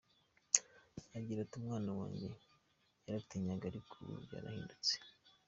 Agira ati “Umwana wanjye yaratinyaga ariko ubu byarahindutse.